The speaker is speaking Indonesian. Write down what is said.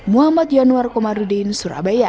muhammad januar komarudin surabaya